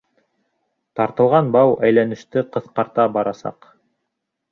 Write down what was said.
Тартылған бау әйләнеште ҡыҫҡарта барасаҡ.